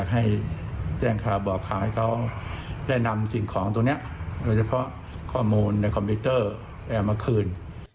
ให้เขาแนะนำสิ่งของตรงนี้หรือเฉพาะข้อมูลในคอมพิวเตอร์และเอามาคืน